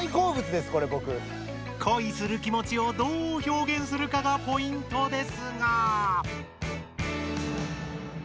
恋する気もちをどう表現するかがポイントですが。